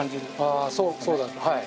ああそうそうだはい。